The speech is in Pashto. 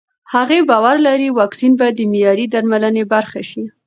هغې باور لري واکسین به د معیاري درملنې برخه شي.